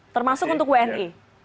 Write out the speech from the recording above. termasuk untuk wni